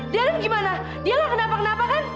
darren gimana dia lah kenapa kenapa kan